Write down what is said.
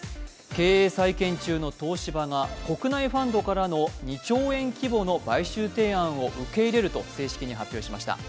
経営再建中の東芝が国内ファンドからの２兆円規模の買収提案を受け入れると正式に発表しました。